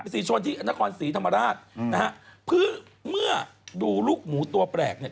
ที่ช้อนที่อนาคมศรีธรรมดานะฮะเพื่อเมื่อดูลูกหมูตัวแปรกเนี่ย